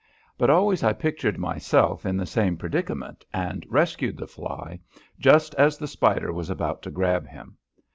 But always I pictured myself in the same predicament and rescued the fly just as the spider was about to grab him.